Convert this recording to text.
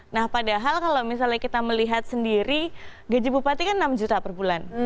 nah padahal kalau misalnya kita melihat sendiri gaji bupati kan enam juta per bulan